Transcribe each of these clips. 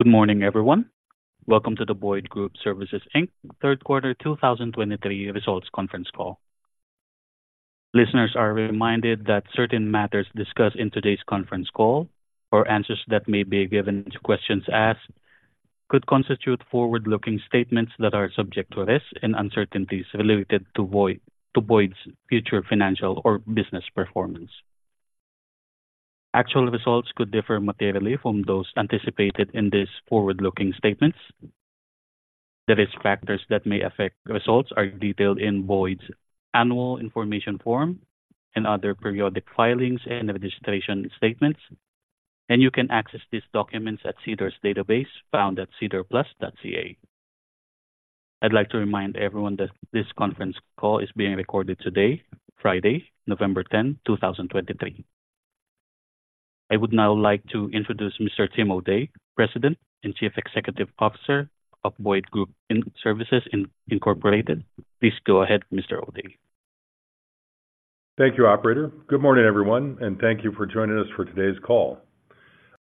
Good morning, everyone. Welcome to the Boyd Group Services Inc third quarter 2023 results conference call. Listeners are reminded that certain matters discussed in today's conference call or answers that may be given to questions asked could constitute forward-looking statements that are subject to risks and uncertainties related to Boyd, to Boyd's future financial or business performance. Actual results could differ materially from those anticipated in these forward-looking statements. The risk factors that may affect results are detailed in Boyd's annual information form and other periodic filings and registration statements, and you can access these documents at SEDAR+'s database found at sedarplus.ca. I'd like to remind everyone that this conference call is being recorded today, Friday, November 10th, 2023. I would now like to introduce Mr. Tim O'Day, President and Chief Executive Officer of Boyd Group Services Incorporated. Please go ahead, Mr. O'Day. Thank you, Operator. Good morning, everyone, and thank you for joining us for today's call.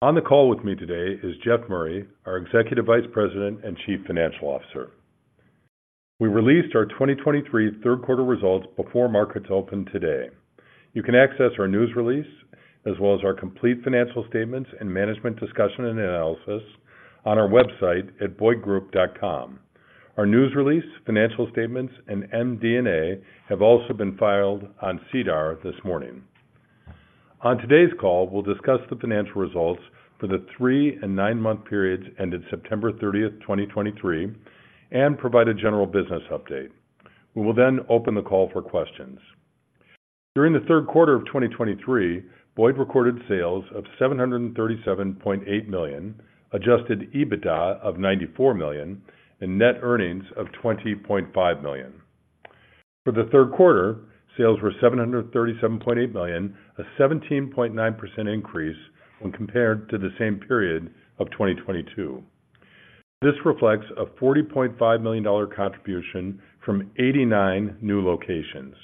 On the call with me today is Jeff Murray, our Executive Vice President and Chief Financial Officer. We released our 2023 third quarter results before markets opened today. You can access our news release as well as our complete financial statements and management discussion and analysis on our website at boydgroup.com. Our news release, financial statements, and MD&A have also been filed on SEDAR this morning. On today's call, we'll discuss the financial results for the 3- and 9-month periods ended September 30th, 2023, and provide a general business update. We will then open the call for questions. During the third quarter of 2023, Boyd recorded sales of 737.8 million, adjusted EBITDA of 94 million, and net earnings of 20.5 million. For the third quarter, sales were 737.8 million, a 17.9% increase when compared to the same period of 2022. This reflects a 40.5 million dollar contribution from 89 new locations.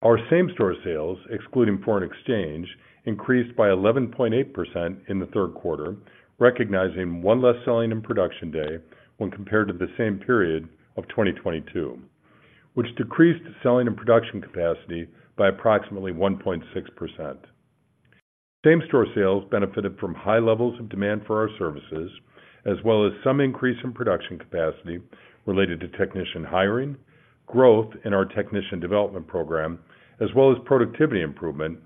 Our same-store sales, excluding foreign exchange, increased by 11.8% in the third quarter, recognizing one less selling and production day when compared to the same period of 2022, which decreased selling and production capacity by approximately 1.6%. Same-store sales benefited from high levels of demand for our services, as well as some increase in production capacity related to technician hiring, growth in our Technician Development Program, as well as productivity improvement.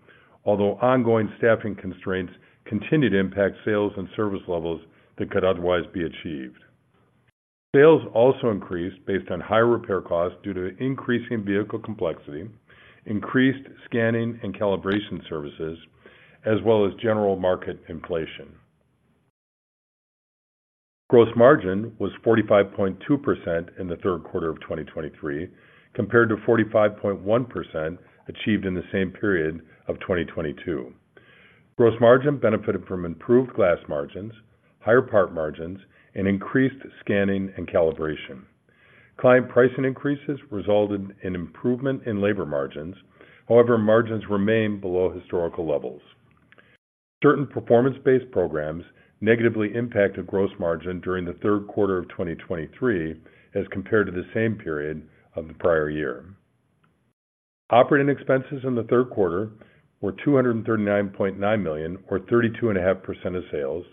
Although ongoing staffing constraints continued to impact sales and service levels that could otherwise be achieved. Sales also increased based on higher repair costs due to increasing vehicle complexity, increased scanning and calibration services, as well as general market inflation. Gross margin was 45.2% in the third quarter of 2023, compared to 45.1% achieved in the same period of 2022. Gross margin benefited from improved glass margins, higher part margins, and increased scanning and calibration. Client pricing increases resulted in improvement in labor margins. However, margins remain below historical levels. Certain performance-based programs negatively impacted gross margin during the third quarter of 2023 as compared to the same period of the prior year. Operating expenses in the third quarter were 239.9 million or 32.5% of sales,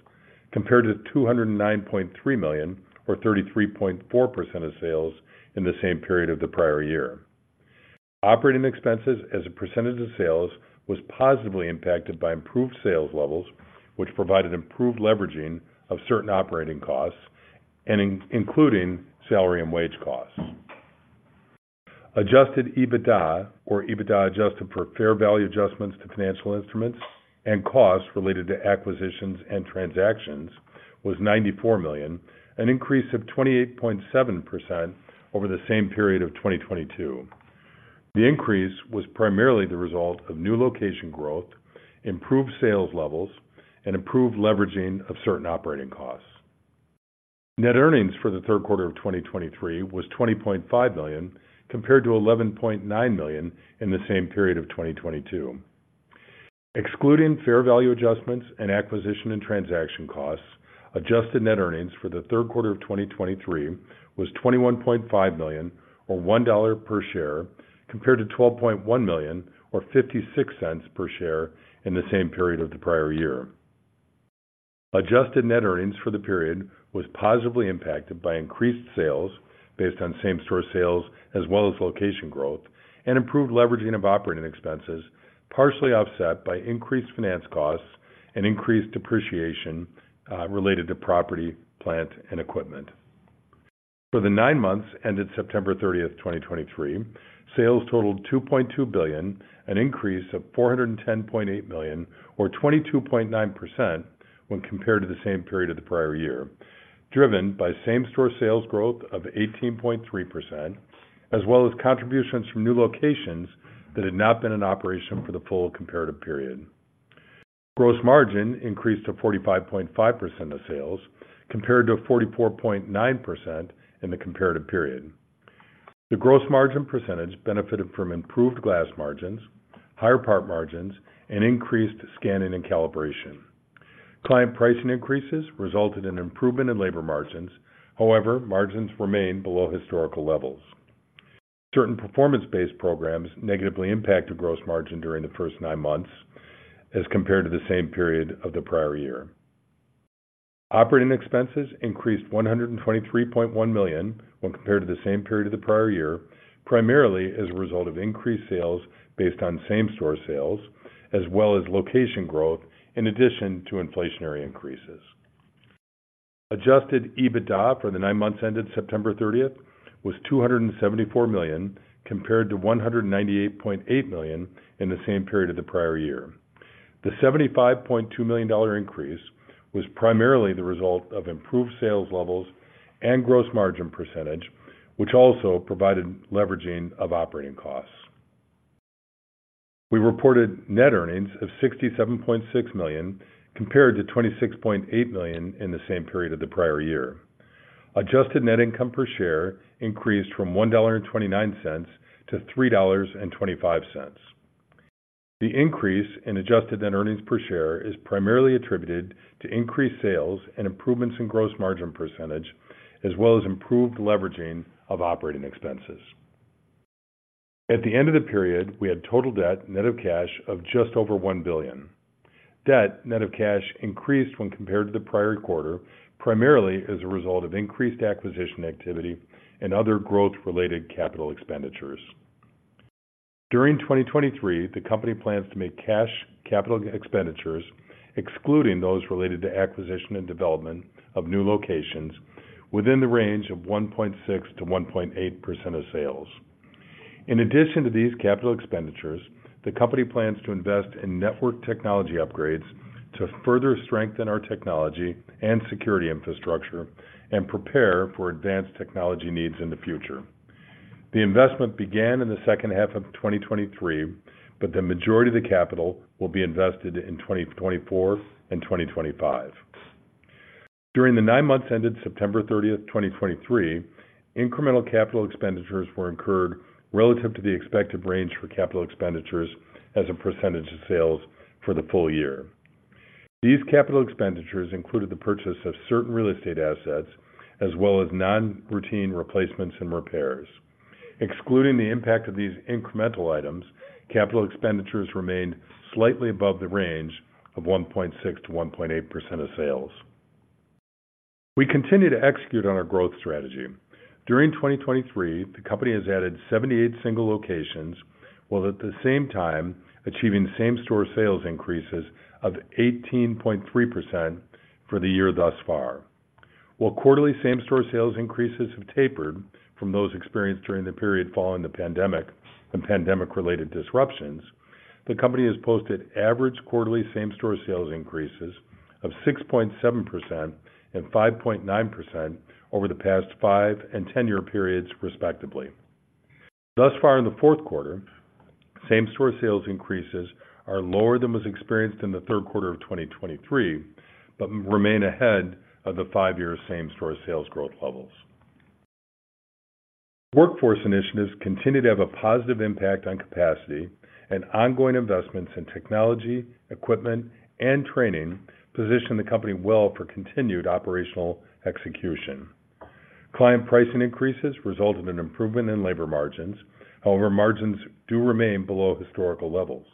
compared to 209.3 million or 33.4% of sales in the same period of the prior year. Operating expenses as a percentage of sales was positively impacted by improved sales levels, which provided improved leveraging of certain operating costs and including salary and wage costs. Adjusted EBITDA, or EBITDA adjusted for fair value adjustments to financial instruments and costs related to acquisitions and transactions, was 94 million, an increase of 28.7% over the same period of 2022. The increase was primarily the result of new location growth, improved sales levels, and improved leveraging of certain operating costs. Net earnings for the third quarter of 2023 was 20.5 million, compared to 11.9 million in the same period of 2022. Excluding fair value adjustments and acquisition and transaction costs, adjusted net earnings for the third quarter of 2023 was 21.5 million or 1 dollar per share, compared to 12.1 million or 0.56 per share in the same period of the prior year. Adjusted net earnings for the period was positively impacted by increased sales based on same-store sales, as well as location growth and improved leveraging of operating expenses, partially offset by increased finance costs and increased depreciation related to property, plant, and equipment. For the nine months ended September 30th, 2023, sales totaled 2.2 billion, an increase of 410.8 million or 22.9% when compared to the same period of the prior year, driven by same-store sales growth of 18.3%, as well as contributions from new locations that had not been in operation for the full comparative period. Gross margin increased to 45.5% of sales, compared to 44.9% in the comparative period. The gross margin percentage benefited from improved glass margins, higher part margins, and increased scanning and calibration. Client pricing increases resulted in improvement in labor margins. However, margins remain below historical levels. Certain performance-based programs negatively impact the gross margin during the first nine months as compared to the same period of the prior year. Operating expenses increased 123.1 million when compared to the same period of the prior year, primarily as a result of increased sales based on same-store sales, as well as location growth, in addition to inflationary increases. Adjusted EBITDA for the nine months ended September 30th, was 274 million, compared to 198.8 million in the same period of the prior year. The 75.2 million dollar increase was primarily the result of improved sales levels and gross margin percentage, which also provided leveraging of operating costs. We reported net earnings of 67.6 million, compared to 26.8 million in the same period of the prior year. Adjusted net income per share increased from 1.29-3.25 dollar. The increase in adjusted net earnings per share is primarily attributed to increased sales and improvements in gross margin percentage, as well as improved leveraging of operating expenses. At the end of the period, we had total debt net of cash of just over 1 billion. Debt net of cash increased when compared to the prior quarter, primarily as a result of increased acquisition activity and other growth-related capital expenditures. During 2023, the company plans to make cash capital expenditures, excluding those related to acquisition and development of new locations, within the range of 1.6%-1.8% of sales. In addition to these capital expenditures, the company plans to invest in network technology upgrades to further strengthen our technology and security infrastructure and prepare for advanced technology needs in the future. The investment began in the second half of 2023, but the majority of the capital will be invested in 2024 and 2025. During the nine months ended September 30th, 2023, incremental capital expenditures were incurred relative to the expected range for capital expenditures as a percentage of sales for the full year. These capital expenditures included the purchase of certain real estate assets, as well as non-routine replacements and repairs. Excluding the impact of these incremental items, capital expenditures remained slightly above the range of 1.6%-1.8% of sales. We continue to execute on our growth strategy. During 2023, the company has added 78 single locations, while at the same time achieving same-store sales increases of 18.3% for the year thus far. While quarterly same-store sales increases have tapered from those experienced during the period following the pandemic and pandemic-related disruptions, the company has posted average quarterly same-store sales increases of 6.7% and 5.9% over the past five and 10-year periods, respectively. Thus far in the fourth quarter, same-store sales increases are lower than was experienced in the third quarter of 2023, but remain ahead of the five-year same-store sales growth levels. Workforce initiatives continue to have a positive impact on capacity, and ongoing investments in technology, equipment, and training position the company well for continued operational execution. Client pricing increases resulted in improvement in labor margins. However, margins do remain below historical levels.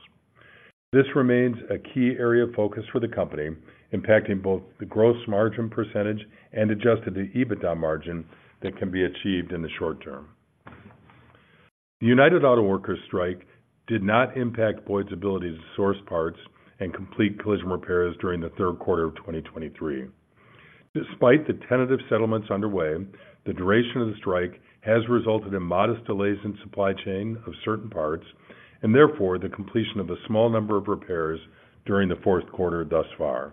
This remains a key area of focus for the company, impacting both the gross margin percentage and Adjusted EBITDA margin that can be achieved in the short term. The United Auto Workers strike did not impact Boyd's ability to source parts and complete collision repairs during the third quarter of 2023. Despite the tentative settlements underway, the duration of the strike has resulted in modest delays in supply chain of certain parts, and therefore, the completion of a small number of repairs during the fourth quarter thus far.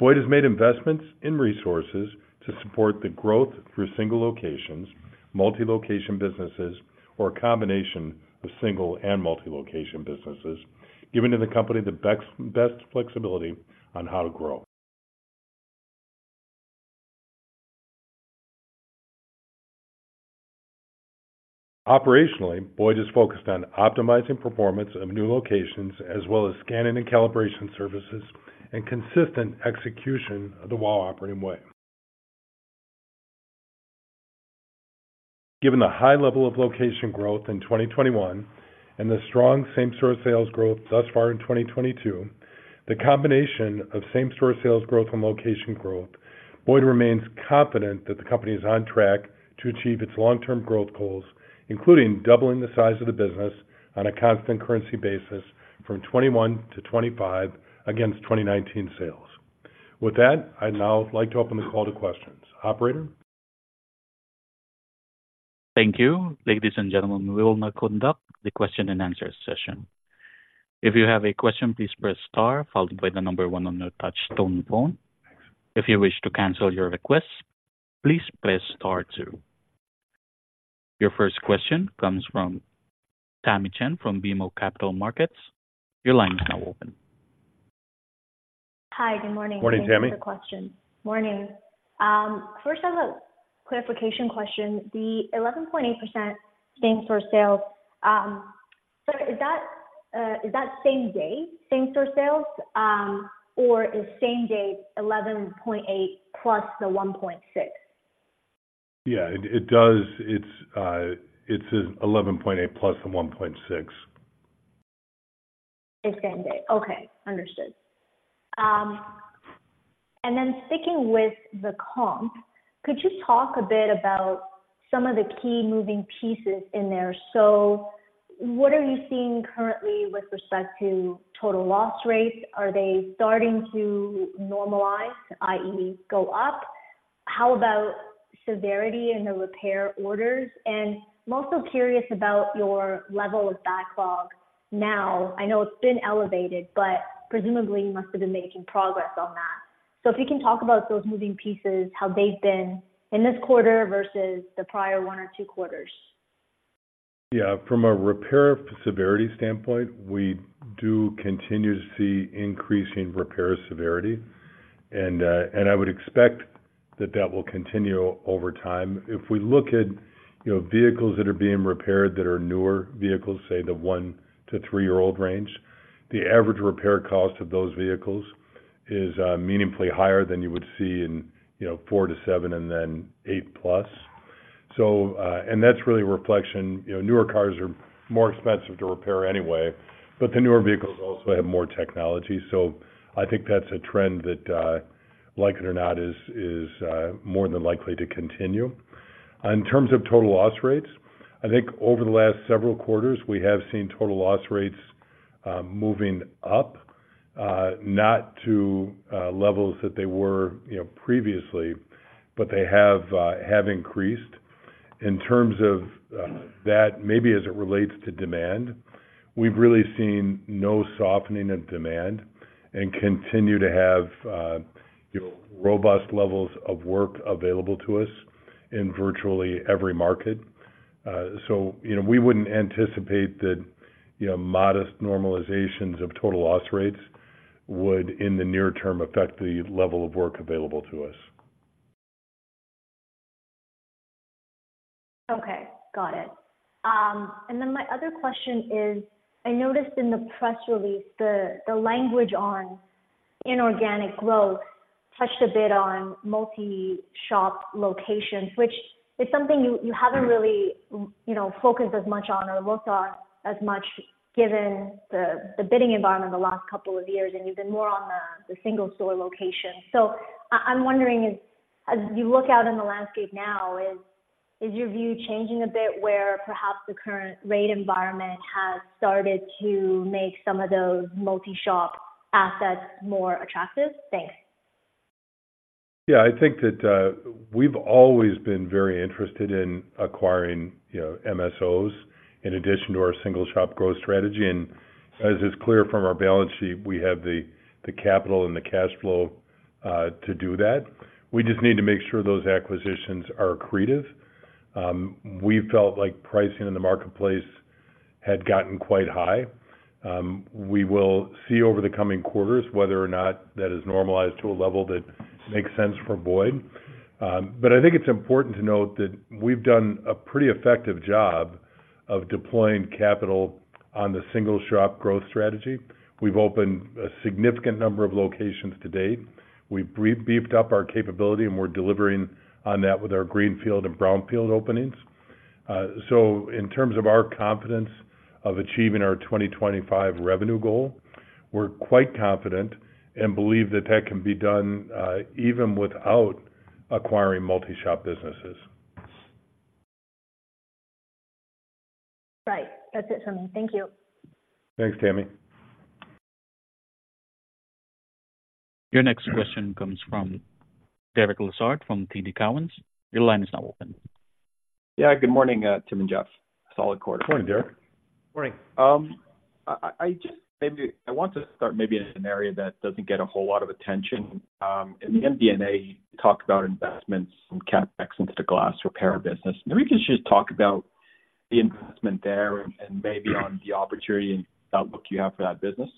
Boyd has made investments in resources to support the growth through single locations, multi-location businesses, or a combination of single and multi-location businesses, giving the company the best flexibility on how to grow. Operationally, Boyd is focused on optimizing performance of new locations, as well as scanning and calibration services and consistent execution of the whole operating way. Given the high level of location growth in 2021 and the strong same-store sales growth thus far in 2022, the combination of same-store sales growth and location growth, Boyd remains confident that the company is on track to achieve its long-term growth goals, including doubling the size of the business on a constant currency basis from 2021 to 2025 against 2019 sales. With that, I'd now like to open the call to questions. Operator? Thank you. Ladies and gentlemen, we will now conduct the question and answer session. If you have a question, please press star, followed by the number one on your touch tone phone. If you wish to cancel your request, please press star two. Your first question comes from Tamy Chen from BMO Capital Markets. Your line is now open. Hi, good morning. Morning, Tamy. Thanks for the question. Morning. First I have a clarification question. The 11.8% same-store sales, so is that same-day same-store sales, or is same-day 11.8+ the 1.6? Yeah, it, it does. It's, it's 11.8+ the 1.6. It's same day. Okay, understood. And then sticking with the comp, could you talk a bit about some of the key moving pieces in there? So what are you seeing currently with respect to total loss rates? Are they starting to normalize, i.e., go up? How about severity in the repair orders? And I'm also curious about your level of backlog now. I know it's been elevated, but presumably you must have been making progress on that. So if you can talk about those moving pieces, how they've been in this quarter versus the prior one or two quarters. Yeah. From a repair severity standpoint, we do continue to see increasing repair severity, and, and I would expect that that will continue over time. If we look at, you know, vehicles that are being repaired that are newer vehicles, say, the one to three-year-old range, the average repair cost of those vehicles is meaningfully higher than you would see in, you know, four to seven and then eight plus. So, and that's really a reflection, you know, newer cars are more expensive to repair anyway, but the newer vehicles also have more technology. So I think that's a trend that, like it or not, is more than likely to continue. In terms of total loss rates, I think over the last several quarters, we have seen total loss rates moving up, not to levels that they were, you know, previously, but they have increased. In terms of that, maybe as it relates to demand, we've really seen no softening of demand and continue to have, you know, robust levels of work available to us in virtually every market. So, you know, we wouldn't anticipate that, you know, modest normalizations of total loss rates would, in the near term, affect the level of work available to us. Okay, got it. And then my other question is, I noticed in the press release, the language on inorganic growth touched a bit on multi-shop locations, which is something you haven't really, you know, focused as much on or looked on as much given the bidding environment the last couple of years, and you've been more on the single-store location. So I'm wondering, as you look out in the landscape now, is your view changing a bit where perhaps the current rate environment has started to make some of those multi-shop assets more attractive? Thanks. Yeah, I think that we've always been very interested in acquiring, you know, MSOs in addition to our single shop growth strategy. And as is clear from our balance sheet, we have the capital and the cash flow to do that. We just need to make sure those acquisitions are accretive. We felt like pricing in the marketplace had gotten quite high. We will see over the coming quarters whether or not that is normalized to a level that makes sense for Boyd. But I think it's important to note that we've done a pretty effective job of deploying capital on the single shop growth strategy. We've opened a significant number of locations to date. We've beefed up our capability, and we're delivering on that with our greenfield and brownfield openings. In terms of our confidence of achieving our 2025 revenue goal, we're quite confident and believe that that can be done, even without acquiring multi-shop businesses. Right. That's it for me. Thank you. Thanks, Tamy. Your next question comes from Derek Lessard from TD Cowen. Your line is now open. Yeah, good morning, Tim and Jeff. Solid quarter. Good morning, Derek. Morning. I just want to start maybe in an area that doesn't get a whole lot of attention. In the MD&A, you talked about investments and CapEx into glass repair business. Maybe you can just talk about the investment there and maybe on the opportunity and outlook you have for that business.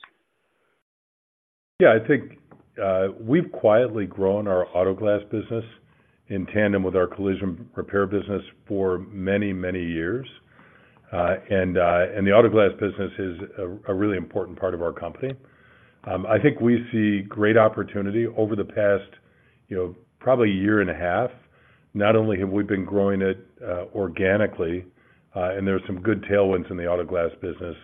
Yeah, I think we've quietly grown our auto glass business in tandem with our collision repair business for many, many years. And the auto glass business is a really important part of our company. I think we see great opportunity over the past, you know, probably a year and a half. Not only have we been growing it organically, and there are some good tailwinds in the auto glass business,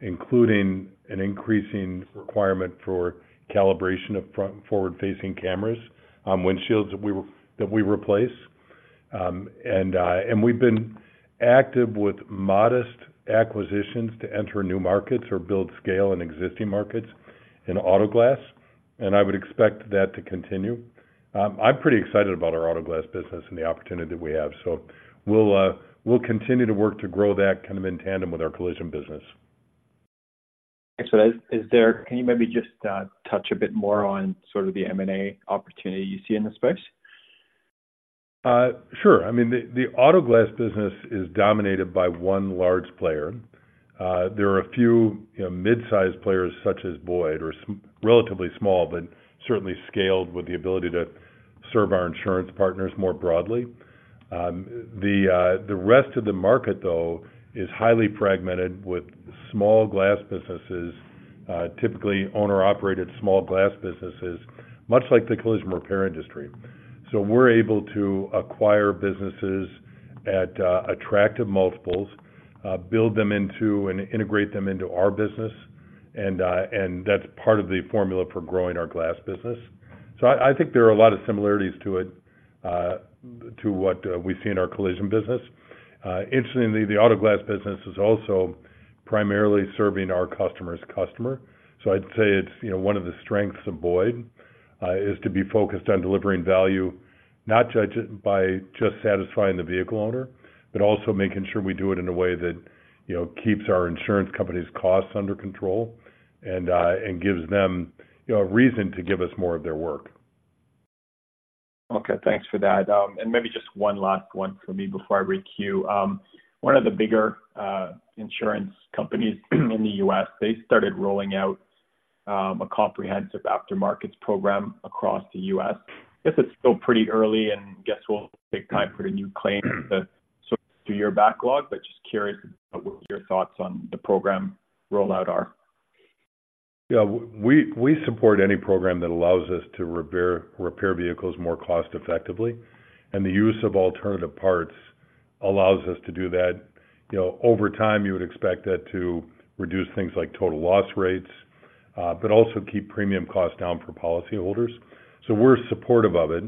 including an increasing requirement for calibration of front-forward-facing cameras on windshields that we replace. And we've been active with modest acquisitions to enter new markets or build scale in existing markets in auto glass, and I would expect that to continue. I'm pretty excited about our auto glass business and the opportunity that we have. So we'll continue to work to grow that kind of in tandem with our collision business. Excellent. Can you maybe just touch a bit more on sort of the M&A opportunity you see in this space? ... Sure. I mean, the auto glass business is dominated by one large player. There are a few, you know, mid-sized players such as Boyd, relatively small, but certainly scaled with the ability to serve our insurance partners more broadly. The rest of the market, though, is highly fragmented with small glass businesses, typically owner-operated small glass businesses, much like the collision repair industry. So we're able to acquire businesses at attractive multiples, build them into and integrate them into our business, and that's part of the formula for growing our glass business. So I think there are a lot of similarities to it, to what we see in our collision business. Interestingly, the auto glass business is also primarily serving our customer's customer. So I'd say it's, you know, one of the strengths of Boyd, is to be focused on delivering value, not judged by just satisfying the vehicle owner, but also making sure we do it in a way that, you know, keeps our insurance company's costs under control and gives them, you know, a reason to give us more of their work. Okay, thanks for that. And maybe just one last one for me before I recue. One of the bigger insurance companies in the U.S., they started rolling out a comprehensive aftermarket program across the U.S. This is still pretty early, and I guess will take time for the new claim to sort through your backlog, but just curious what your thoughts on the program rollout are. Yeah, we support any program that allows us to repair vehicles more cost effectively, and the use of alternative parts allows us to do that. You know, over time, you would expect that to reduce things like total loss rates, but also keep premium costs down for policyholders. So we're supportive of it.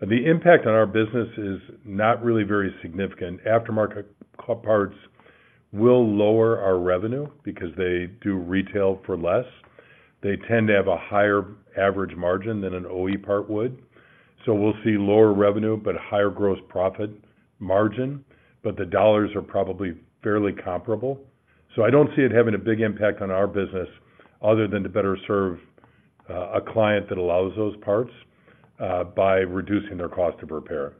The impact on our business is not really very significant. Aftermarket parts will lower our revenue because they do retail for less. They tend to have a higher average margin than an OE part would. So we'll see lower revenue, but higher gross profit margin, but the dollars are probably fairly comparable. So I don't see it having a big impact on our business other than to better serve a client that allows those parts by reducing their cost of repair.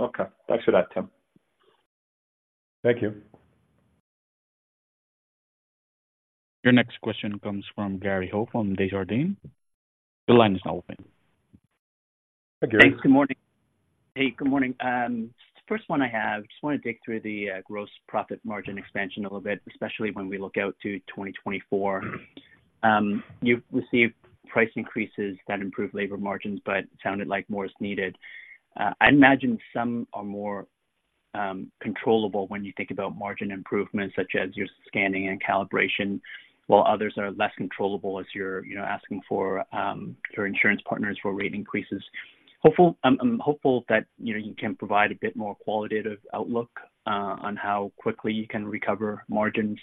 Okay. Thanks for that, Tim. Thank you. Your next question comes from Gary Ho from Desjardins. The line is now open. Hi, Gary. Thanks. Good morning. Hey, good morning. First one I have, just want to dig through the, gross profit margin expansion a little bit, especially when we look out to 2024. You've received price increases that improve labor margins, but sounded like more is needed. I imagine some are more, controllable when you think about margin improvements, such as your scanning and calibration, while others are less controllable as you're, you know, asking for, your insurance partners for rate increases. I'm hopeful that, you know, you can provide a bit more qualitative outlook, on how quickly you can recover margins.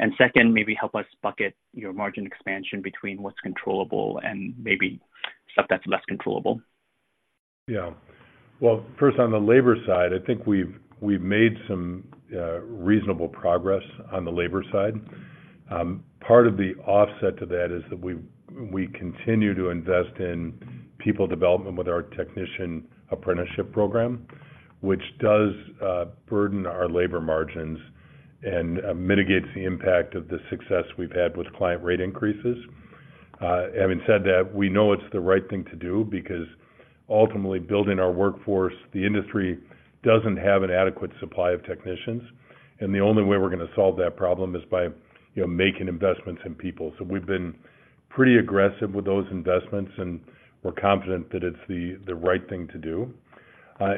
And second, maybe help us bucket your margin expansion between what's controllable and maybe stuff that's less controllable. Yeah. Well, first, on the labor side, I think we've made some reasonable progress on the labor side. Part of the offset to that is that we continue to invest in people development with our technician apprenticeship program, which does burden our labor margins and mitigates the impact of the success we've had with client rate increases. Having said that, we know it's the right thing to do because ultimately building our workforce, the industry doesn't have an adequate supply of technicians, and the only way we're going to solve that problem is by, you know, making investments in people. So we've been pretty aggressive with those investments, and we're confident that it's the right thing to do.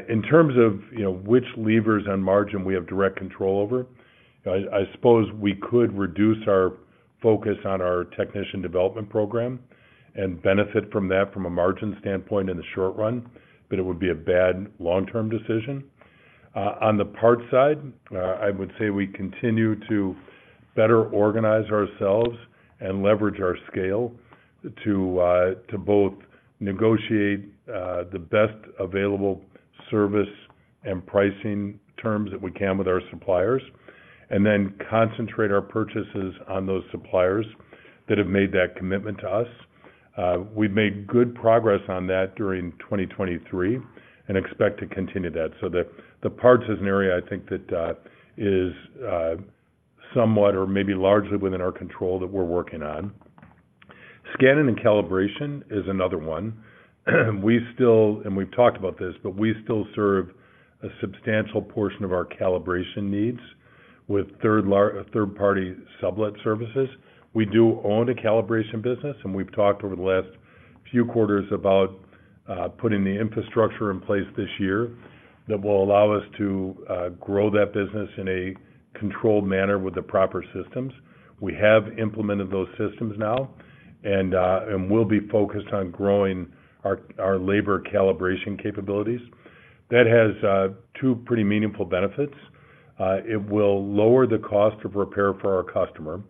In terms of, you know, which levers on margin we have direct control over, I suppose we could reduce our focus on our Technician Development Program and benefit from that from a margin standpoint in the short run, but it would be a bad long-term decision. On the parts side, I would say we continue to better organize ourselves and leverage our scale to both negotiate the best available service and pricing terms that we can with our suppliers, and then concentrate our purchases on those suppliers that have made that commitment to us. We've made good progress on that during 2023 and expect to continue that. So the parts is an area I think that is somewhat or maybe largely within our control that we're working on. Scanning and calibration is another one. We still, and we've talked about this, but we still serve a substantial portion of our calibration needs with third-party sublet services. We do own a calibration business, and we've talked over the last few quarters about putting the infrastructure in place this year that will allow us to grow that business in a controlled manner with the proper systems. We have implemented those systems now, and we'll be focused on growing our labor calibration capabilities. That has two pretty meaningful benefits. It will lower the cost of repair for our customer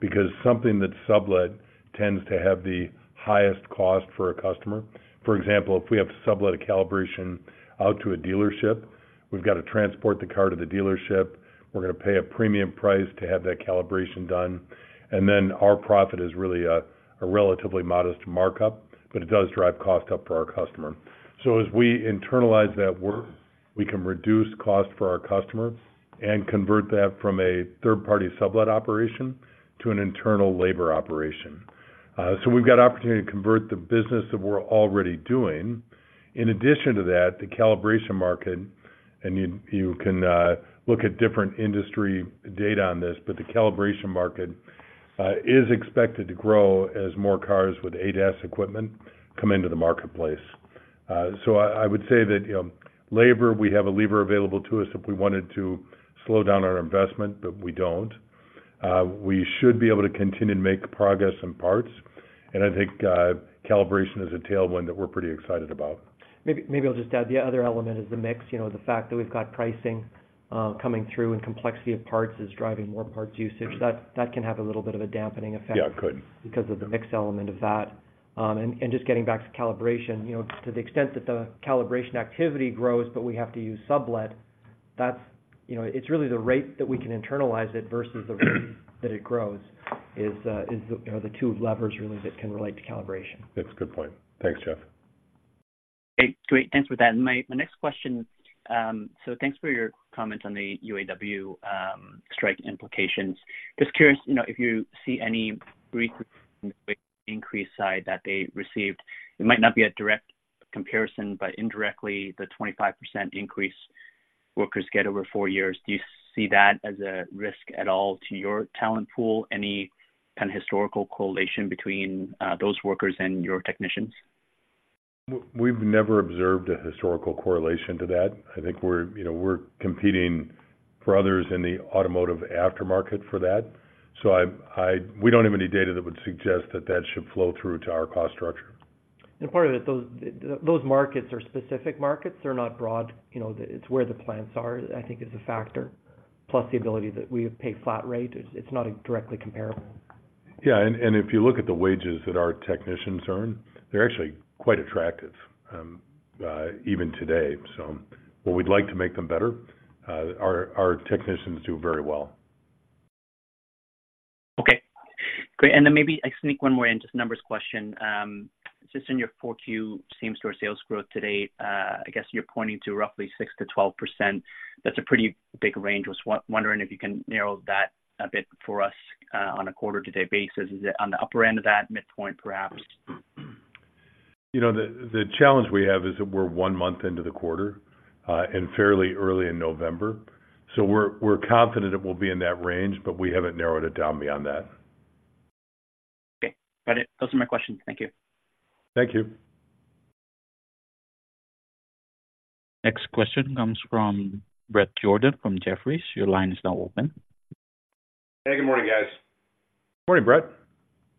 because something that's sublet tends to have the highest cost for a customer. For example, if we have to sublet a calibration out to a dealership, we've got to transport the car to the dealership. We're going to pay a premium price to have that calibration done, and then our profit is really a relatively modest markup, but it does drive cost up for our customer. So as we internalize that work, we can reduce cost for our customers and convert that from a third-party sublet operation to an internal labor operation. So we've got opportunity to convert the business that we're already doing. In addition to that, the calibration market, and you can look at different industry data on this, but the calibration market is expected to grow as more cars with ADAS equipment come into the marketplace. So I would say that, you know, labor, we have a lever available to us if we wanted to slow down our investment, but we don't. We should be able to continue to make progress in parts, and I think, calibration is a tailwind that we're pretty excited about. Maybe, maybe I'll just add. The other element is the mix. You know, the fact that we've got pricing, coming through, and complexity of parts is driving more parts usage, that, that can have a little bit of a dampening effect- Yeah, it could. -because of the mix element of that. And just getting back to calibration, you know, to the extent that the calibration activity grows, but we have to use sublet, that's, you know... It's really the rate that we can internalize it versus the rate that it grows, is, you know, the two levers really that can relate to calibration. That's a good point. Thanks, Jeff. Great. Great! Thanks for that. My, my next question, so thanks for your comments on the UAW strike implications. Just curious, you know, if you see any brief increase side that they received? It might not be a direct comparison, but indirectly, the 25% increase workers get over four years, do you see that as a risk at all to your talent pool? Any kind of historical correlation between those workers and your technicians? We've never observed a historical correlation to that. I think we're, you know, competing for others in the automotive aftermarket for that. So we don't have any data that would suggest that that should flow through to our cost structure. Part of it, those markets are specific markets. They're not broad, you know, it's where the plants are, I think is a factor, plus the ability that we pay flat rate. It's not directly comparable. Yeah, and if you look at the wages that our technicians earn, they're actually quite attractive, even today. So while we'd like to make them better, our technicians do very well. Okay, great. And then maybe I sneak one more in, just a numbers question. Just in your 4Q same-store sales growth to date, I guess you're pointing to roughly 6%-12%. That's a pretty big range. I was wondering if you can narrow that a bit for us, on a quarter-to-date basis. Is it on the upper end of that, midpoint, perhaps? You know, the challenge we have is that we're one month into the quarter, and fairly early in November, so we're confident it will be in that range, but we haven't narrowed it down beyond that. Okay. Got it. Those are my questions. Thank you. Thank you. Next question comes from Bret Jordan from Jefferies. Your line is now open. Hey, good morning, guys. Morning, Bret.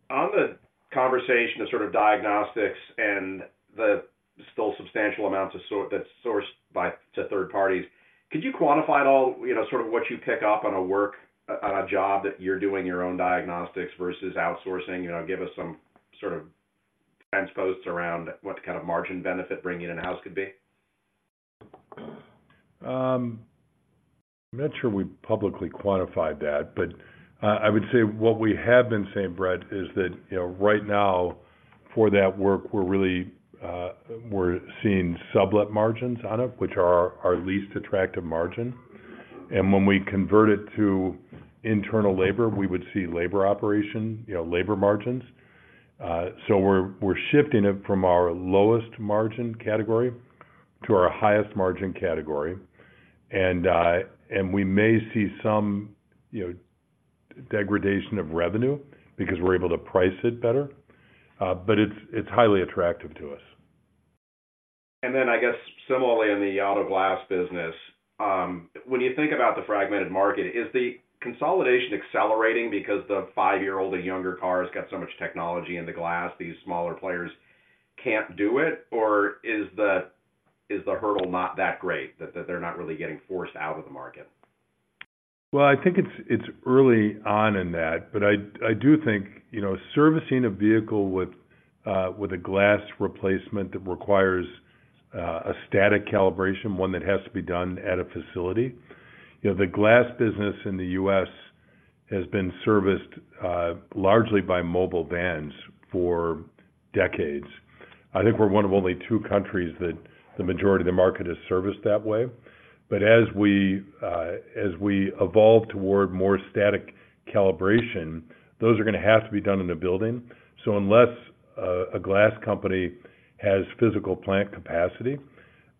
On the conversation of sort of diagnostics and the still substantial amounts of sort that's sourced out to third parties, could you quantify at all, you know, sort of what you pick up on a job that you're doing your own diagnostics versus outsourcing? You know, give us some sort of ballparks around what kind of margin benefit bringing in-house could be. I'm not sure we publicly quantified that, but, I would say what we have been saying, Bret, is that, you know, right now, for that work, we're really, we're seeing sublet margins on it, which are our least attractive margin. And when we convert it to internal labor, we would see labor operation, you know, labor margins. So we're, we're shifting it from our lowest margin category to our highest margin category. And, and we may see some, you know, degradation of revenue because we're able to price it better, but it's, it's highly attractive to us. Then I guess similarly in the auto glass business, when you think about the fragmented market, is the consolidation accelerating because the five-year-old and younger cars got so much technology in the glass, these smaller players can't do it? Or is the hurdle not that great, that they're not really getting forced out of the market? Well, I think it's early on in that, but I do think, you know, servicing a vehicle with a glass replacement that requires a static calibration, one that has to be done at a facility, you know, the glass business in the U.S. has been serviced largely by mobile vans for decades. I think we're one of only two countries that the majority of the market is serviced that way. But as we evolve toward more static calibration, those are gonna have to be done in a building. So unless a glass company has physical plant capacity,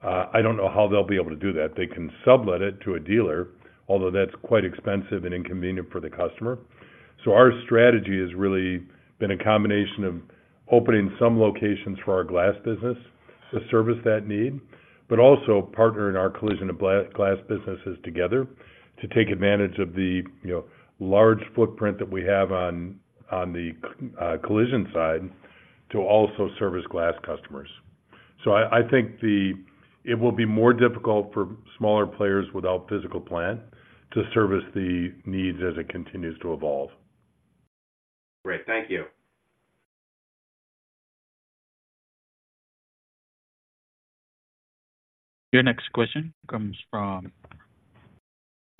I don't know how they'll be able to do that. They can sublet it to a dealer, although that's quite expensive and inconvenient for the customer. So our strategy has really been a combination of opening some locations for our glass business to service that need, but also partnering our collision and glass businesses together to take advantage of the, you know, large footprint that we have on the collision side, to also service glass customers. So I think it will be more difficult for smaller players without physical plant to service the needs as it continues to evolve. Great. Thank you. Your next question comes from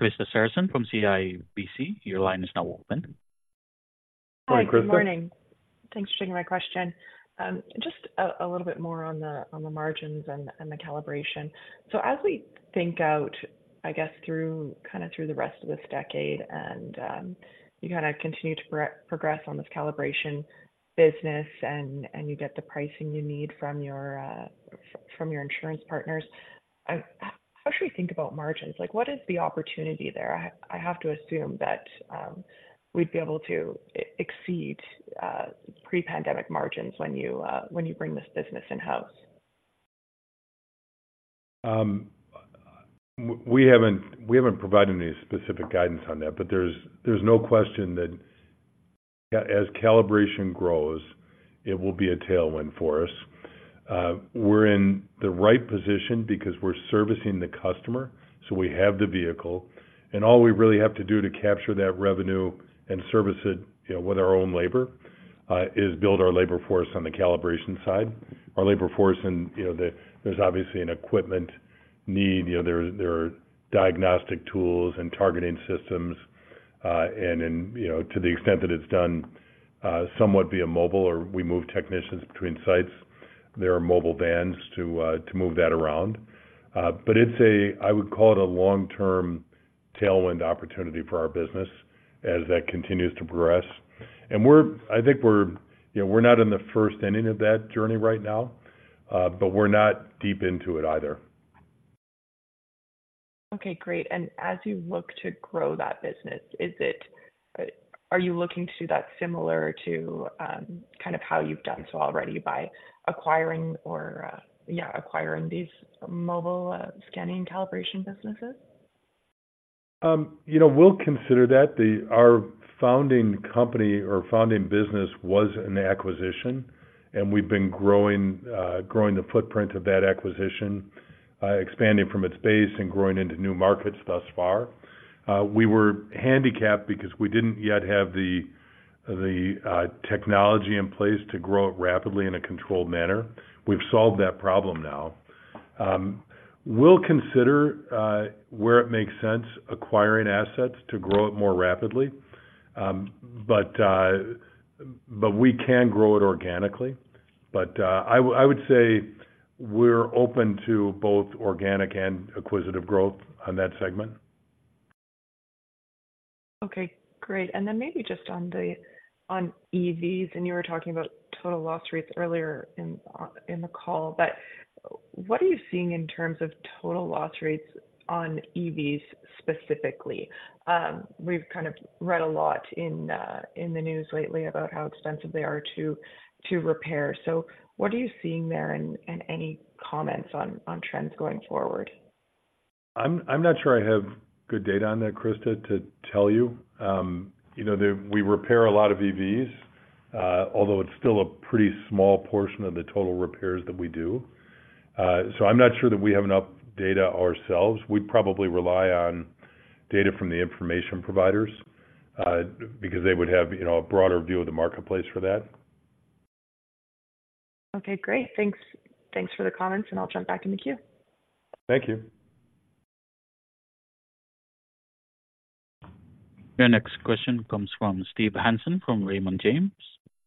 Krista Friesen from CIBC. Your line is now open.... Hi, good morning. Thanks for taking my question. Just a little bit more on the margins and the calibration. So as we think out, I guess, through the rest of this decade, and you kind of continue to progress on this calibration business and you get the pricing you need from your from your insurance partners, how should we think about margins? Like, what is the opportunity there? I have to assume that we'd be able to exceed pre-pandemic margins when you bring this business in-house. We haven't provided any specific guidance on that, but there's no question that as calibration grows, it will be a tailwind for us. We're in the right position because we're servicing the customer, so we have the vehicle, and all we really have to do to capture that revenue and service it, you know, with our own labor, is build our labor force on the calibration side. Our labor force and, you know, the— There's obviously an equipment need. You know, there are diagnostic tools and targeting systems, and in, you know, to the extent that it's done, somewhat via mobile or we move technicians between sites, there are mobile vans to move that around. But it's a, I would call it a long-term tailwind opportunity for our business as that continues to progress. I think we're, you know, we're not in the first inning of that journey right now, but we're not deep into it either. Okay, great. And as you look to grow that business, is it, are you looking to do that similar to, kind of how you've done so already by acquiring these mobile, scanning calibration businesses? You know, we'll consider that. Our founding company or founding business was an acquisition, and we've been growing, growing the footprint of that acquisition, expanding from its base and growing into new markets thus far. We were handicapped because we didn't yet have the technology in place to grow it rapidly in a controlled manner. We've solved that problem now. We'll consider, where it makes sense, acquiring assets to grow it more rapidly. But, but we can grow it organically. But, I would say we're open to both organic and acquisitive growth on that segment. Okay, great. And then maybe just on the, on EVs, and you were talking about total loss rates earlier in, in the call, but what are you seeing in terms of total loss rates on EVs specifically? We've kind of read a lot in the, in the news lately about how expensive they are to repair. So what are you seeing there, and any comments on trends going forward? I'm not sure I have good data on that, Krista, to tell you. You know, we repair a lot of EVs, although it's still a pretty small portion of the total repairs that we do. So I'm not sure that we have enough data ourselves. We'd probably rely on data from the information providers, because they would have, you know, a broader view of the marketplace for that. Okay, great. Thanks. Thanks for the comments, and I'll jump back in the queue. Thank you. Your next question comes from Steve Hansen, from Raymond James.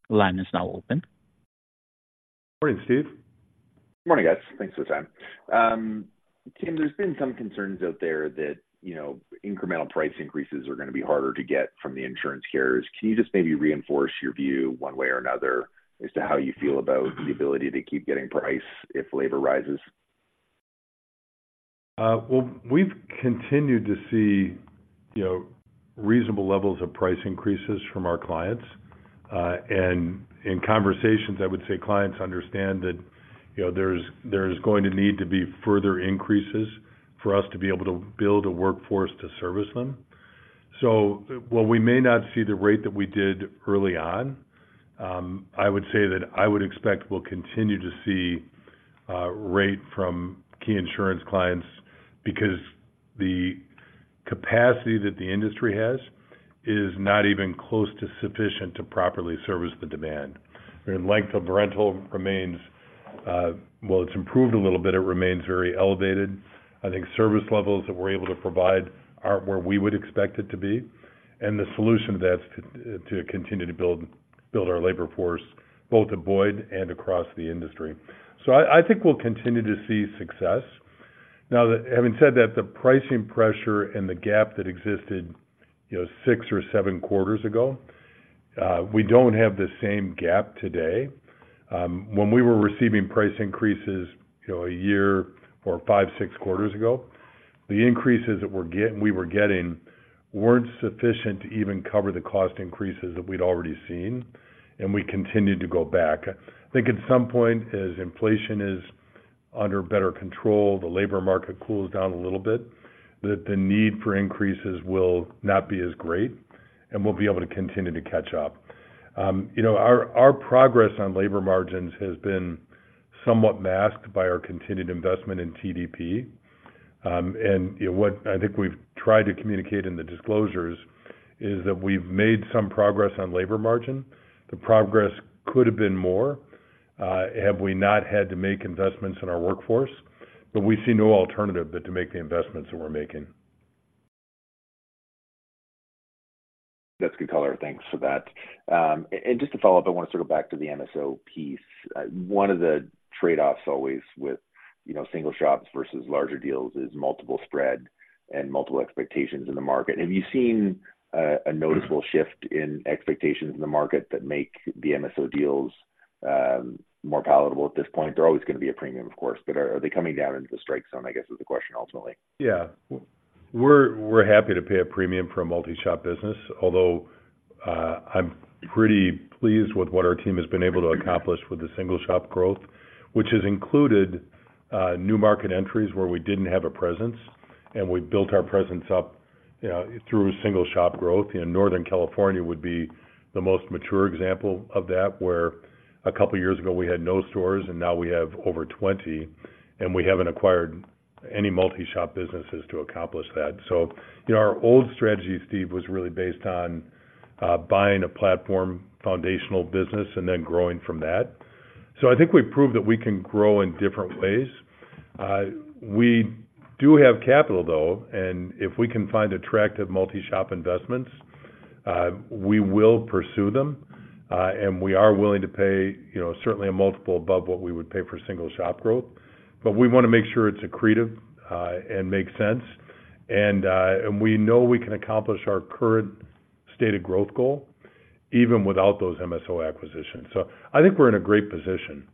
Line is now open. Morning, Steve. Morning, guys. Thanks for the time. Tim, there's been some concerns out there that, you know, incremental price increases are gonna be harder to get from the insurance carriers. Can you just maybe reinforce your view one way or another as to how you feel about the ability to keep getting price if labor rises? Well, we've continued to see, you know, reasonable levels of price increases from our clients. And in conversations, I would say clients understand that, you know, there's going to need to be further increases for us to be able to build a workforce to service them. So while we may not see the rate that we did early on, I would say that I would expect we'll continue to see rate from key insurance clients because the capacity that the industry has is not even close to sufficient to properly service the demand. And length of rental remains, while it's improved a little bit, it remains very elevated. I think service levels that we're able to provide aren't where we would expect it to be, and the solution to that is to continue to build our labor force, both at Boyd and across the industry. So I think we'll continue to see success. Now, having said that, the pricing pressure and the gap that existed, you know, six or seven quarters ago, we don't have the same gap today. When we were receiving price increases, you know, a year or five, six quarters ago, the increases that we were getting weren't sufficient to even cover the cost increases that we'd already seen, and we continued to go back. I think at some point, as inflation is under better control, the labor market cools down a little bit, that the need for increases will not be as great, and we'll be able to continue to catch up. You know, our, our progress on labor margins has been somewhat masked by our continued investment in TDP. You know, what I think we've tried to communicate in the disclosures is that we've made some progress on labor margin. The progress could have been more, had we not had to make investments in our workforce, but we see no alternative but to make the investments that we're making.... That's good color. Thanks for that. And just to follow up, I want to circle back to the MSO piece. One of the trade-offs always with, you know, single shops versus larger deals is multiple spread and multiple expectations in the market. Have you seen a noticeable shift in expectations in the market that make the MSO deals more palatable at this point? They're always going to be a premium, of course, but are they coming down into the strike zone, I guess, is the question ultimately? Yeah. We're happy to pay a premium for a multi-shop business, although I'm pretty pleased with what our team has been able to accomplish with the single shop growth, which has included new market entries where we didn't have a presence, and we built our presence up, you know, through single-shop growth. You know, Northern California would be the most mature example of that, where a couple of years ago we had no stores, and now we have over 20, and we haven't acquired any multi-shop businesses to accomplish that. So, you know, our old strategy, Steve, was really based on buying a platform foundational business and then growing from that. So I think we've proved that we can grow in different ways. We do have capital, though, and if we can find attractive multi-shop investments, we will pursue them. We are willing to pay, you know, certainly a multiple above what we would pay for single-shop growth, but we want to make sure it's accretive, and makes sense. And we know we can accomplish our current stated growth goal even without those MSO acquisitions. So I think we're in a great position.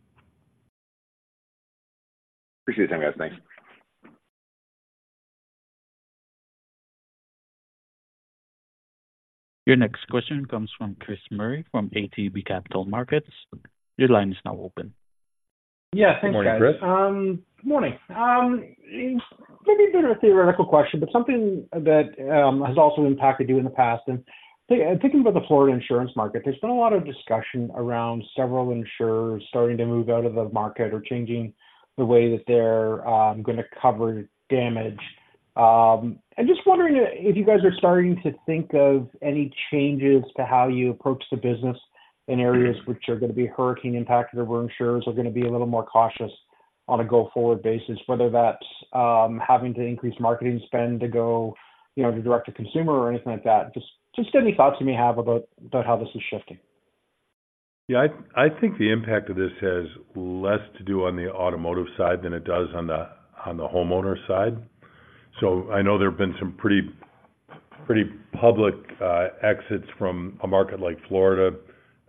Appreciate your time, guys. Thanks. Your next question comes from Chris Murray from ATB Capital Markets. Your line is now open. Yeah. Thanks, guys. Good morning, Chris. Good morning. Maybe a bit of a theoretical question, but something that has also impacted you in the past. And thinking about the Florida insurance market, there's been a lot of discussion around several insurers starting to move out of the market or changing the way that they're going to cover damage. I'm just wondering if you guys are starting to think of any changes to how you approach the business in areas which are going to be hurricane impacted, or where insurers are going to be a little more cautious on a go-forward basis, whether that's having to increase marketing spend to go, you know, to direct-to-consumer or anything like that? Just any thoughts you may have about how this is shifting. Yeah, I think the impact of this has less to do on the automotive side than it does on the homeowner side. So I know there have been some pretty, pretty public exits from a market like Florida.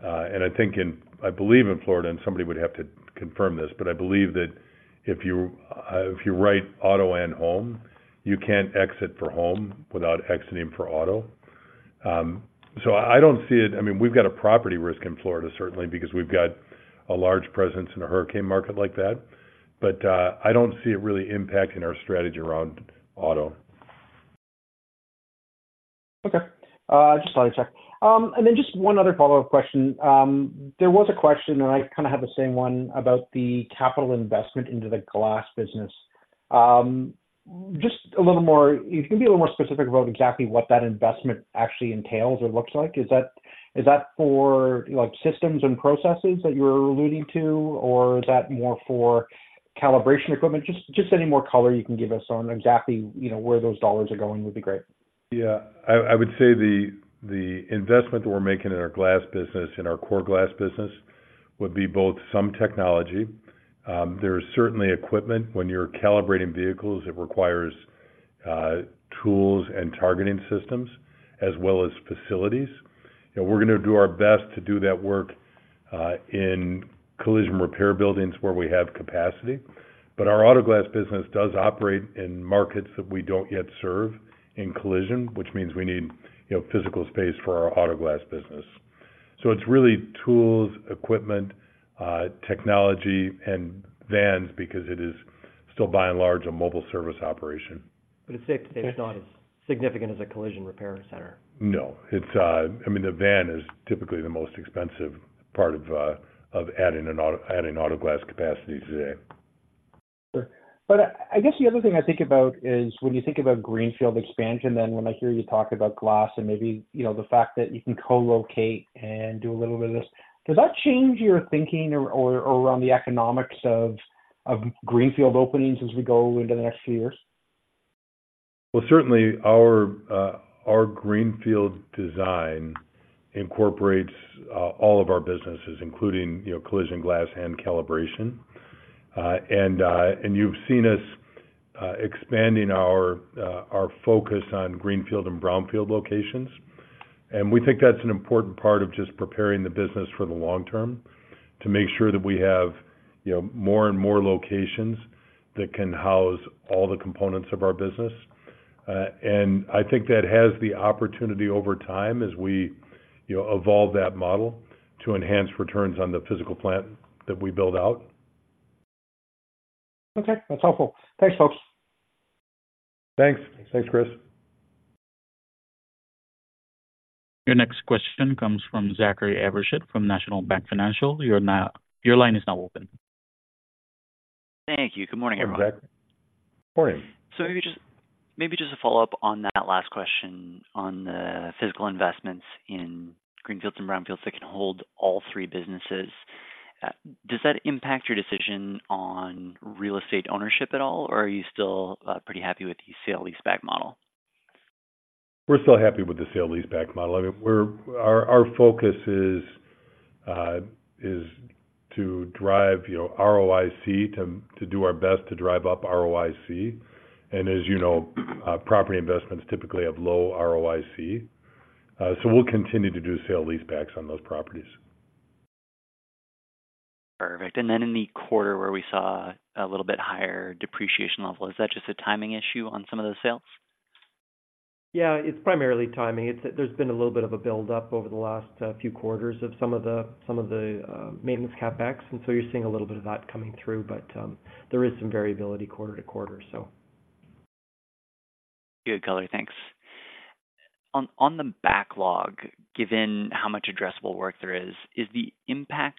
And I think in—I believe in Florida, and somebody would have to confirm this, but I believe that if you write auto and home, you can't exit for home without exiting for auto. So I don't see it... I mean, we've got a property risk in Florida, certainly, because we've got a large presence in a hurricane market like that, but I don't see it really impacting our strategy around auto. Okay. Just one sec. And then just one other follow-up question. There was a question, and I kind of have the same one, about the capital investment into the glass business. Just a little more. If you can be a little more specific about exactly what that investment actually entails or looks like. Is that, is that for, like, systems and processes that you're alluding to, or is that more for calibration equipment? Just, just any more color you can give us on exactly, you know, where those dollars are going would be great. Yeah. I would say the investment that we're making in our glass business, in our core glass business, would be both some technology. There is certainly equipment. When you're calibrating vehicles, it requires tools and targeting systems as well as facilities. You know, we're going to do our best to do that work in collision repair buildings where we have capacity. But our auto glass business does operate in markets that we don't yet serve in collision, which means we need, you know, physical space for our auto glass business. So it's really tools, equipment, technology, and vans, because it is still by and large, a mobile service operation. But it's safe to say it's not as significant as a collision repair center? No. It's, I mean, the van is typically the most expensive part of adding auto glass capacity today. But I guess the other thing I think about is when you think about Greenfield expansion, then when I hear you talk about glass and maybe, you know, the fact that you can co-locate and do a little bit of this, does that change your thinking or around the economics of Greenfield openings as we go into the next few years? Well, certainly our greenfield design incorporates all of our businesses, including, you know, collision, glass, and calibration. And you've seen us expanding our focus on greenfield and brownfield locations. And we think that's an important part of just preparing the business for the long term, to make sure that we have, you know, more and more locations that can house all the components of our business. And I think that has the opportunity over time, as we, you know, evolve that model, to enhance returns on the physical plant that we build out. Okay, that's helpful. Thanks, folks. Thanks. Thanks, Chris. Your next question comes from Zachary Evershed, from National Bank Financial. Your line is now open. Thank you. Good morning, everyone. Good morning. So maybe just, maybe just a follow-up on that last question on the physical investments in Greenfields and Brownfields that can hold all three businesses... Does that impact your decision on real estate ownership at all, or are you still pretty happy with the sale-leaseback model? We're still happy with the sale-leaseback model. I mean, our focus is to drive, you know, ROIC, to do our best to drive up ROIC. As you know, property investments typically have low ROIC. So we'll continue to do sale-leasebacks on those properties. Perfect. Then in the quarter where we saw a little bit higher depreciation level, is that just a timing issue on some of those sales? Yeah, it's primarily timing. It's, there's been a little bit of a buildup over the last few quarters of some of the, some of the maintenance CapEx, and so you're seeing a little bit of that coming through, but there is some variability quarter to quarter, so. Good color. Thanks. On the backlog, given how much addressable work there is, is the impact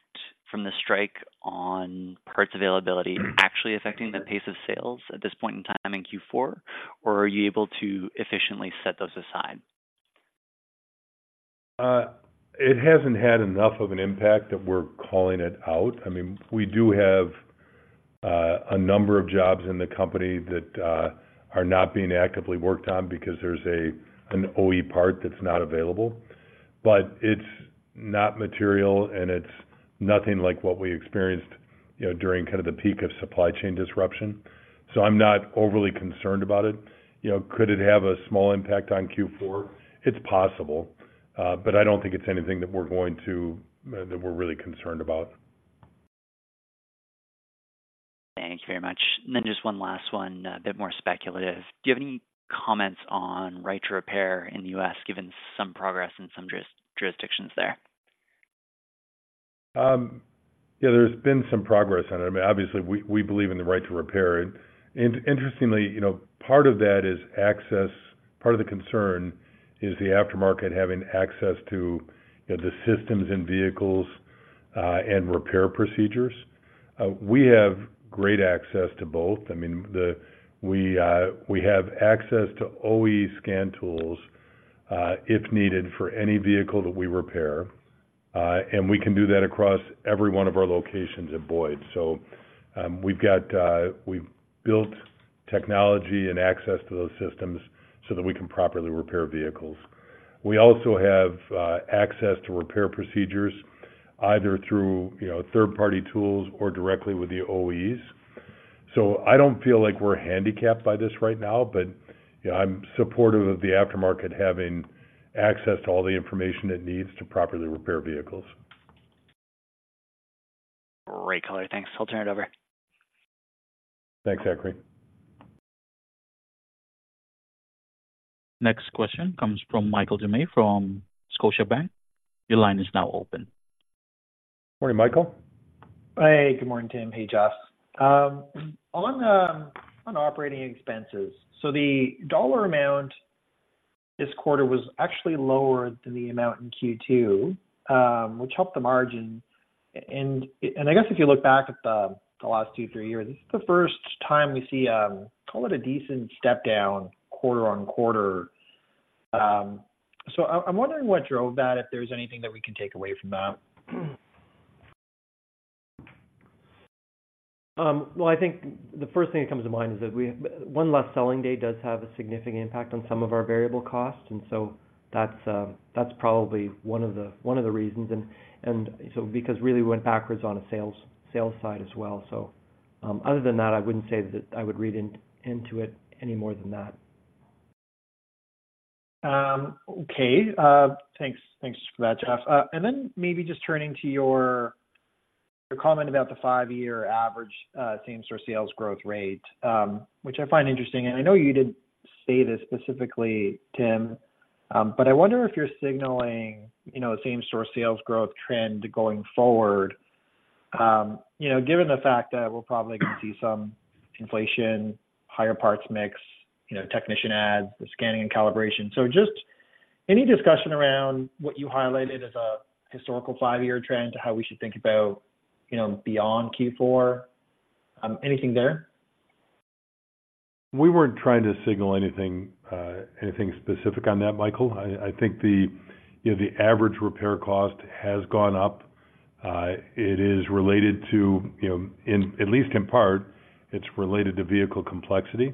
from the strike on parts availability actually affecting the pace of sales at this point in time in Q4? Or are you able to efficiently set those aside? It hasn't had enough of an impact that we're calling it out. I mean, we do have a number of jobs in the company that are not being actively worked on because there's an OE part that's not available. But it's not material, and it's nothing like what we experienced, you know, during kind of the peak of supply chain disruption. So I'm not overly concerned about it. You know, could it have a small impact on Q4? It's possible, but I don't think it's anything that we're really concerned about. Thank you very much. Then just one last one, a bit more speculative. Do you have any comments on right to repair in the U.S., given some progress in some jurisdictions there? Yeah, there's been some progress on it. I mean, obviously, we believe in the right to repair. Interestingly, you know, part of that is access. Part of the concern is the aftermarket having access to, you know, the systems and vehicles, and repair procedures. We have great access to both. I mean, we have access to OE scan tools, if needed, for any vehicle that we repair, and we can do that across every one of our locations at Boyd. So, we've got, we've built technology and access to those systems so that we can properly repair vehicles. We also have access to repair procedures, either through, you know, third-party tools or directly with the OEs. I don't feel like we're handicapped by this right now, but, you know, I'm supportive of the aftermarket having access to all the information it needs to properly repair vehicles. Great color. Thanks. I'll turn it over. Thanks, Zachary. Next question comes from Michael Doumet from Scotiabank. Your line is now open. Morning, Michael. Hey, good morning, Tim. Hey, Jeff. On operating expenses, so the dollar amount this quarter was actually lower than the amount in Q2, which helped the margin. And I guess if you look back at the last two, three years, this is the first time we see call it a decent step down quarter-over-quarter. So I'm wondering what drove that, if there's anything that we can take away from that? Well, I think the first thing that comes to mind is that we one less selling day does have a significant impact on some of our variable costs, and so that's probably one of the reasons. And so because really we went backwards on a sales side as well. So, other than that, I wouldn't say that I would read into it any more than that. Okay. Thanks, thanks for that, Jeff. And then maybe just turning to your, your comment about the five-year average, same store sales growth rate, which I find interesting. I know you didn't say this specifically, Tim, but I wonder if you're signaling, you know, a same store sales growth trend going forward. You know, given the fact that we're probably going to see some inflation, higher parts mix, you know, technician adds, the scanning and calibration. Just any discussion around what you highlighted as a historical five-year trend to how we should think about, you know, beyond Q4? Anything there? We weren't trying to signal anything, anything specific on that, Michael. I think the, you know, the average repair cost has gone up. It is related to, you know, at least in part, it's related to vehicle complexity,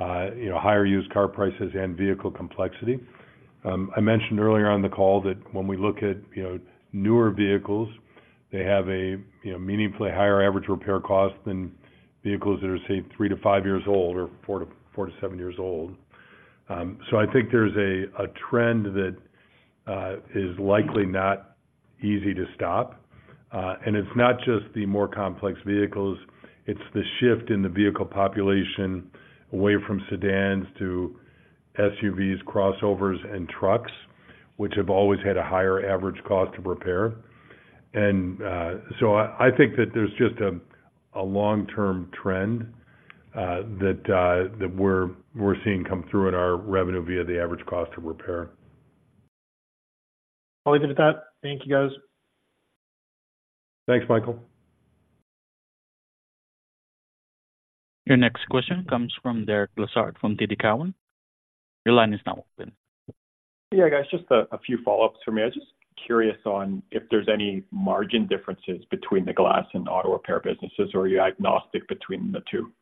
you know, higher used car prices and vehicle complexity. I mentioned earlier on the call that when we look at, you know, newer vehicles, they have a, you know, meaningfully higher average repair cost than vehicles that are, say, three to five years old or four to seven years old. So I think there's a trend that is likely not easy to stop. And it's not just the more complex vehicles, it's the shift in the vehicle population away from sedans to SUVs, crossovers, and trucks, which have always had a higher average cost to repair. So I think that there's just a long-term trend that we're seeing come through in our revenue via the average cost to repair. I'll leave it at that. Thank you, guys. Thanks, Michael. Your next question comes from Derek Lessard from TD Cowen. Your line is now open. Yeah, guys, just a few follow-ups for me. I'm just curious on if there's any margin differences between the glass and auto repair businesses, or are you agnostic between the two?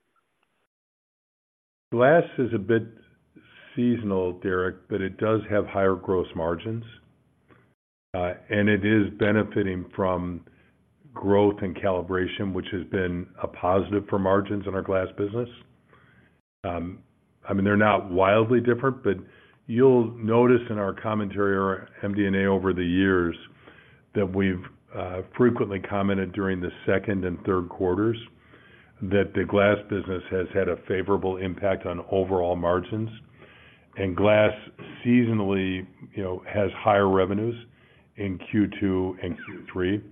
Glass is a bit seasonal, Derek, but it does have higher gross margins. And it is benefiting from growth and calibration, which has been a positive for margins in our glass business. I mean, they're not wildly different, but you'll notice in our commentary or MD&A over the years, that we've frequently commented during the second and third quarters, that the glass business has had a favorable impact on overall margins. And glass seasonally, you know, has higher revenues in Q2 and Q3,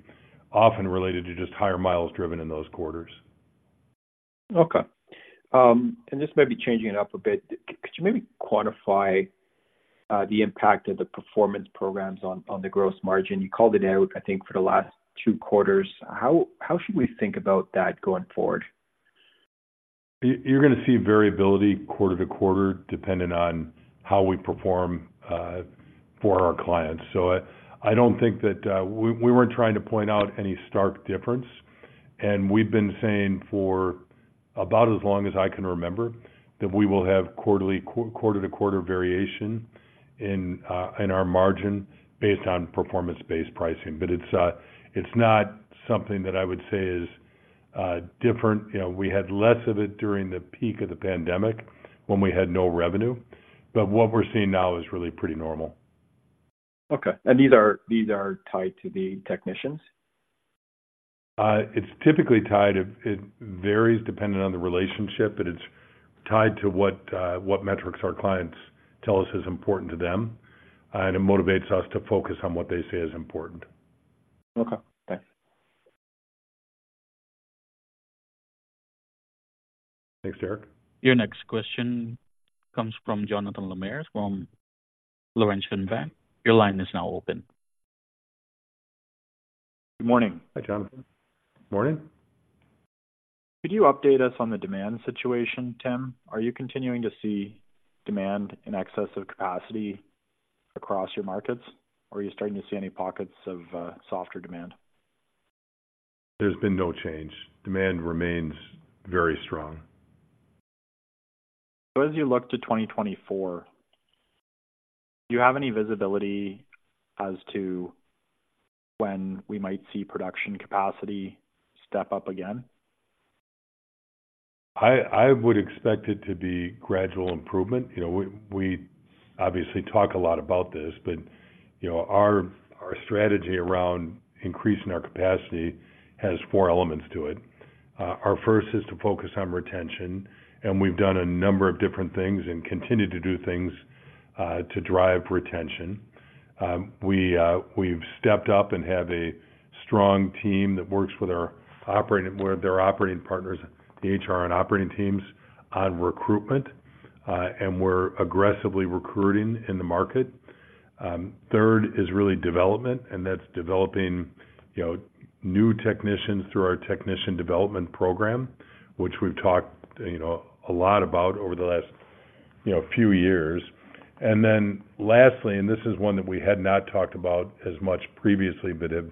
often related to just higher miles driven in those quarters. Okay. This may be changing it up a bit. Could you maybe quantify the impact of the performance programs on the gross margin? You called it out, I think, for the last two quarters. How should we think about that going forward? You're gonna see variability quarter to quarter, depending on how we perform for our clients. So I don't think that... We weren't trying to point out any stark difference, and we've been saying for about as long as I can remember, that we will have quarterly, quarter-to-quarter variation in our margin based on performance-based pricing. But it's not something that I would say is different. You know, we had less of it during the peak of the pandemic when we had no revenue, but what we're seeing now is really pretty normal. Okay. And these are, these are tied to the technicians? It's typically tied. It varies depending on the relationship, but it's tied to what metrics our clients tell us is important to them, and it motivates us to focus on what they say is important. Okay. Thanks. Thanks, Derek. Your next question comes from Jonathan Goldman, from Laurentian Bank. Your line is now open. Good morning. Hi, Jonathan. Morning. Could you update us on the demand situation, Tim? Are you continuing to see demand in excess of capacity across your markets, or are you starting to see any pockets of softer demand? There's been no change. Demand remains very strong. As you look to 2024, do you have any visibility as to when we might see production capacity step up again? I would expect it to be gradual improvement. You know, we obviously talk a lot about this, but you know, our strategy around increasing our capacity has four elements to it. Our first is to focus on retention, and we've done a number of different things and continue to do things to drive retention. We have stepped up and have a strong team that works with our operating partners, the HR and operating teams on recruitment, and we're aggressively recruiting in the market. Third is really development, and that's developing you know, new technicians through our Technician Development Program, which we've talked you know, a lot about over the last few years. And then lastly, and this is one that we had not talked about as much previously but have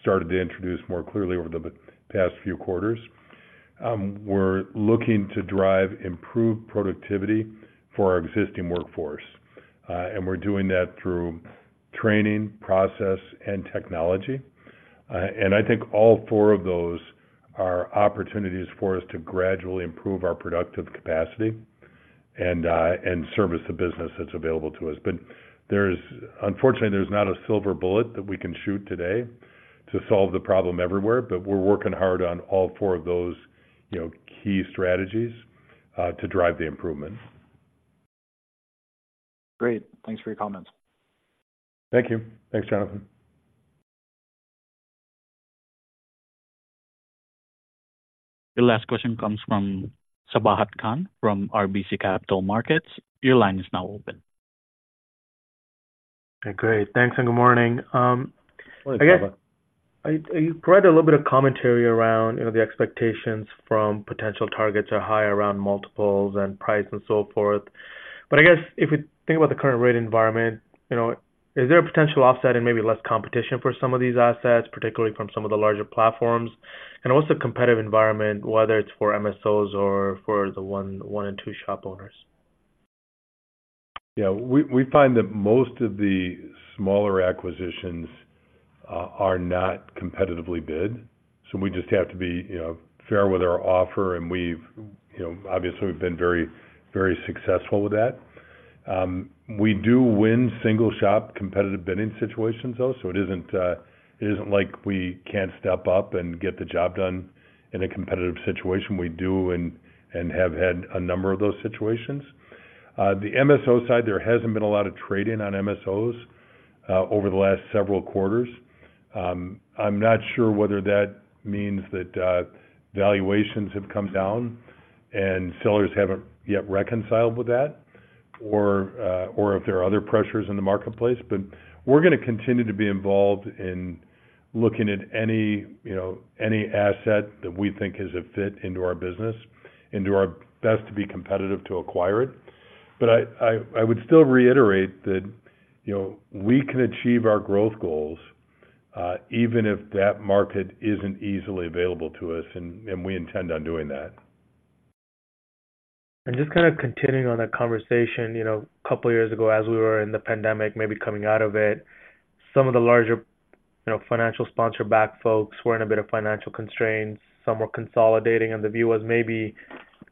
started to introduce more clearly over the past few quarters. We're looking to drive improved productivity for our existing workforce, and we're doing that through training, process, and technology. And I think all four of those are opportunities for us to gradually improve our productive capacity and service the business that's available to us. But there's... Unfortunately, there's not a silver bullet that we can shoot today to solve the problem everywhere, but we're working hard on all four of those, you know, key strategies to drive the improvement. Great. Thanks for your comments. Thank you. Thanks, Jonathan. The last question comes from Sabahat Khan, from RBC Capital Markets. Your line is now open. Okay, great. Thanks, and good morning. I guess- Hi, Sabahat. I, I read a little bit of commentary around, you know, the expectations from potential targets are high around multiples and price and so forth. But I guess if you think about the current rate environment, you know, is there a potential offset and maybe less competition for some of these assets, particularly from some of the larger platforms? And what's the competitive environment, whether it's for MSOs or for the one, one and two shop owners? Yeah, we find that most of the smaller acquisitions are not competitively bid. So we just have to be, you know, fair with our offer, and we've, you know, obviously, we've been very, very successful with that. We do win single shop competitive bidding situations, though, so it isn't like we can't step up and get the job done in a competitive situation. We do and have had a number of those situations. The MSO side, there hasn't been a lot of trade-in on MSOs over the last several quarters. I'm not sure whether that means that valuations have come down and sellers haven't yet reconciled with that... or if there are other pressures in the marketplace. But we're gonna continue to be involved in looking at any, you know, any asset that we think is a fit into our business and do our best to be competitive to acquire it. But I would still reiterate that, you know, we can achieve our growth goals, even if that market isn't easily available to us, and we intend on doing that. Just kinda continuing on that conversation, you know, a couple of years ago, as we were in the pandemic, maybe coming out of it, some of the larger, you know, financial sponsor-backed folks were in a bit of financial constraints. Some were consolidating, and the view was maybe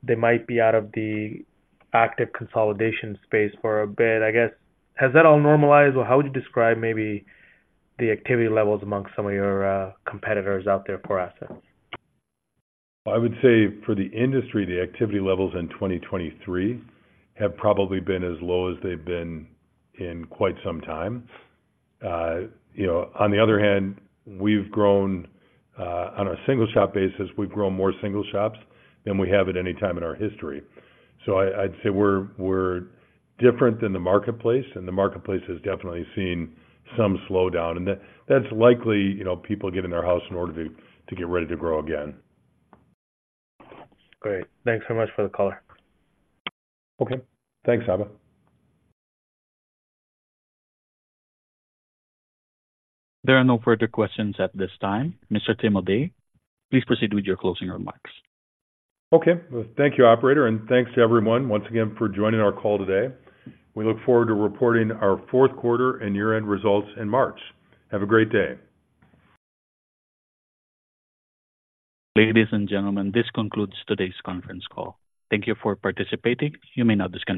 they might be out of the active consolidation space for a bit. I guess, has that all normalized, or how would you describe maybe the activity levels amongst some of your competitors out there for assets? I would say for the industry, the activity levels in 2023 have probably been as low as they've been in quite some time. You know, on the other hand, we've grown, on a single-shop basis, we've grown more single shops than we have at any time in our history. So I'd say we're different than the marketplace, and the marketplace has definitely seen some slowdown. And that's likely, you know, people getting their house in order to get ready to grow again. Great. Thanks so much for the call. Okay. Thanks, Saba. There are no further questions at this time. Mr. Tim O'Day, please proceed with your closing remarks. Okay. Thank you, operator, and thanks to everyone once again for joining our call today. We look forward to reporting our fourth quarter and year-end results in March. Have a great day. Ladies and gentlemen, this concludes today's conference call. Thank you for participating. You may now disconnect.